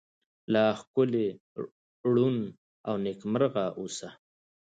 لا ښکلې، ړون، او نکيمرغه اوسه👏